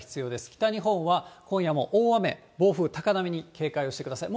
北日本は今夜も大雨、暴風、高波に警戒をしてください。